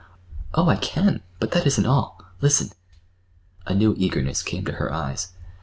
"Oh, I can! But that isn't all. Listen!" A new eagerness came to her eyes.